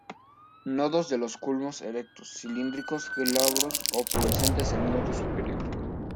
Nodos de los culmos erectos, cilíndricos, glabros o pubescentes el nodo superior.